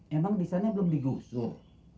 memang di sana belum digusur